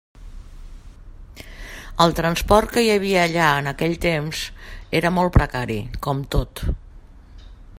El transport que hi havia allà en aquell temps era molt precari, com tot.